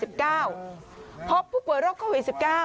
พบผู้ป่วยโรคโควิด๑๙